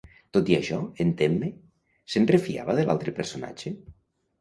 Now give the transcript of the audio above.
Tot i això, en Temme se'n refiava de l'altre personatge?